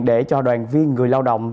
để cho đoàn viên người lao động